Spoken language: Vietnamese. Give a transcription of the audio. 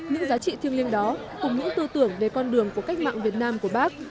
những giá trị thiêng liêng đó cùng những tư tưởng về con đường của cách mạng việt nam của bác